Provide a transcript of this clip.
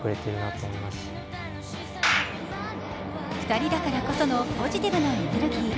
２人だからこそのポジティブなエネルギー。